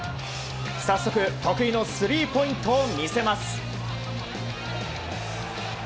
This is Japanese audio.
早速、得意のスリーポイントを見せます。